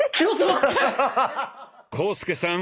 浩介さん